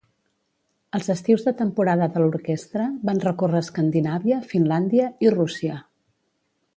Els estius de temporada de l'orquestra, van recórrer Escandinàvia, Finlàndia i Rússia.